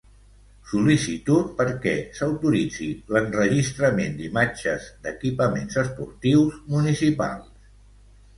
Sol·licitud perquè s'autoritzi l'enregistrament d'imatges d'equipaments esportius municipals.